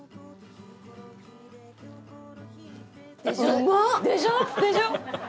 うまっ！でしょ？でしょ？